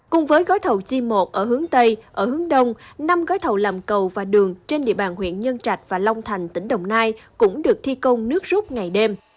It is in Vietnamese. cùng với gói thầu g một ở hướng tây ở hướng đông năm gói thầu làm cầu và đường trên địa bàn huyện nhân trạch và long thành tỉnh đồng nai cũng được thi công nước rút ngày đêm